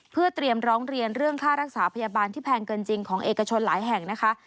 เพื่อเตรียมร้องเรียนเรื่องค่ารักษาพยาบาลที่แพงเกินจริงของเอกชนหลายแห่งนะคะ